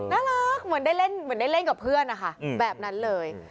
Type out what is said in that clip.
น่ารักเหมือนได้เล่นกับเพื่อนอะค่ะแบบนั้นเลย